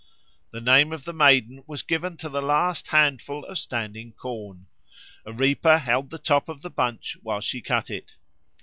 The name of the Maiden was given to the last handful of standing corn; a reaper held the top of the bunch while she cut it.